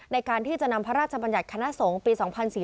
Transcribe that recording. ในการที่จะนำพระราชบัญญัติคณะสงฆ์ปี๒๔๔